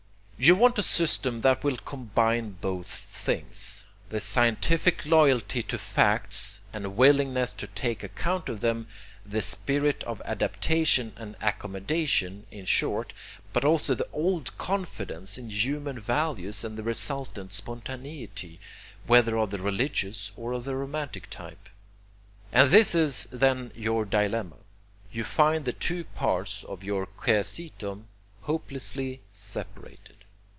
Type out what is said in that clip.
You want a system that will combine both things, the scientific loyalty to facts and willingness to take account of them, the spirit of adaptation and accommodation, in short, but also the old confidence in human values and the resultant spontaneity, whether of the religious or of the romantic type. And this is then your dilemma: you find the two parts of your quaesitum hopelessly separated.